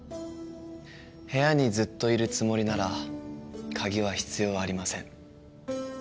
部屋にずっといるつもりなら鍵は必要ありません。